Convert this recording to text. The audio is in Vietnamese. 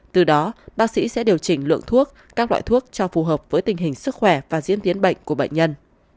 từ đó bác sĩ sẽ điều chỉnh lượng thuốc các loại thuốc cho phù hợp với tình hình sức khỏe và diễn tiến bệnh của bệnh nhân